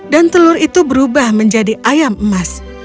dan telur itu berubah menjadi ayam emas